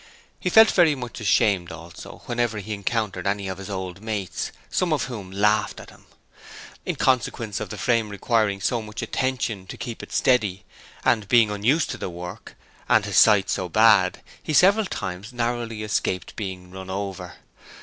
He felt very much ashamed, also, whenever he encountered any of his old mates, some of whom laughed at him. In consequence of the frame requiring so much attention to keep it steady, and being unused to the work, and his sight so bad, he several times narrowly escaped being run over.